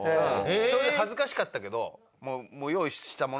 それで恥ずかしかったけどもう用意したものだったんで。